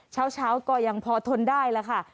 เช้าก็ยังพอทนได้แล้วค่ะ